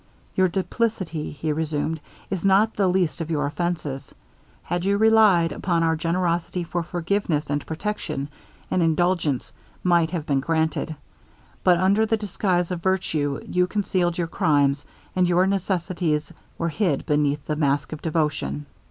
'Your duplicity,' he resumed, 'is not the least of your offences. Had you relied upon our generosity for forgiveness and protection, an indulgence might have been granted; but under the disguise of virtue you concealed your crimes, and your necessities were hid beneath the mask of devotion.'